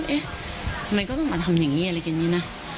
ทำไมก็ต้องมาทำอย่างนี้อะไรแบบนี้เนี่ยนะ